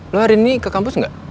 lo hari ini ke kampus nggak